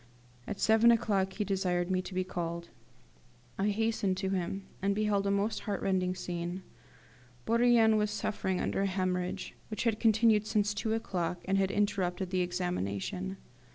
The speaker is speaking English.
At seven o'clock he desired me to be called. I hastened to him, and beheld a most heart rending scene. Bourrienne was suffering under a hemorrhage, which had continued since two o'clock, and had interrupted the examination.